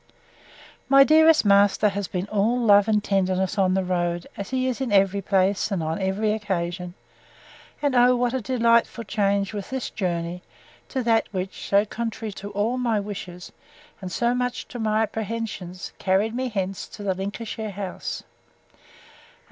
My dearest master has been all love and tenderness on the road, as he is in every place, and on every occasion. And oh, what a delightful change was this journey, to that which, so contrary to all my wishes, and so much to my apprehensions, carried me hence to the Lincolnshire house!